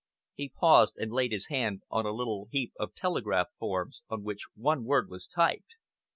He paused and laid his hand on a little heap of telegraph forms, on which one word was typed.